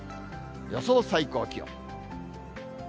予想最高気温。